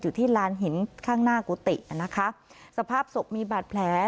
ที่ลานหินข้างหน้ากุฏินะคะสภาพศพมีบาดแผล